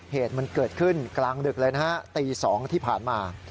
เหตุมันเกิดขึ้นกลางดึกเลยนะฮะตี๒ที่ผ่านมา